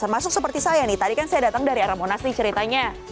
termasuk seperti saya nih tadi kan saya datang dari arah monas nih ceritanya